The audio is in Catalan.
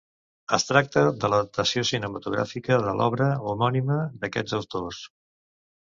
Es tracta de l'adaptació cinematogràfica de l'obra homònima d'aquests autors.